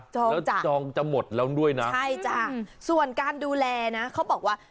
แล้วจองจะหมดแล้วด้วยนะใช่จ้ะส่วนการดูแลนะเขาบอกว่า